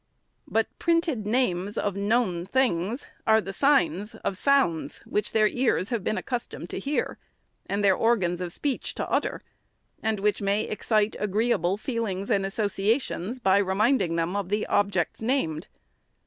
But printed names of known things are the signs of sounds which their ears have been accustomed to hear, and their organs of speech to utter, and which may excite agree able feelings and associations, by reminding them of the objects named.